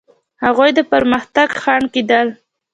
هغوی د پرمختګ خنډ کېدل.